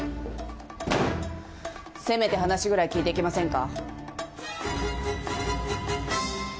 せめて話ぐらい聞いていきませんか。